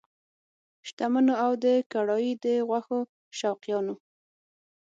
شتمنو او د کړایي د غوښو شوقیانو!